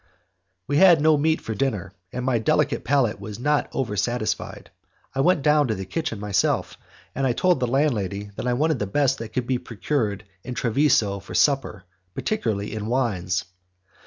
We had had no meat for dinner, and my delicate palate was not over satisfied. I went down to the kitchen myself, and I told the landlady that I wanted the best that could be procured in Treviso for supper, particularly in wines.